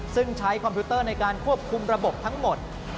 ซึ่งใช้คอมพิวเตอร์ในการควบคุมระบบทั้งหมด